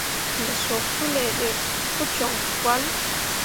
Me sup suley ɓe pu cok cahl.